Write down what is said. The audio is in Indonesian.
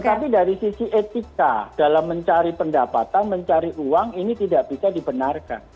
tetapi dari sisi etika dalam mencari pendapatan mencari uang ini tidak bisa dibenarkan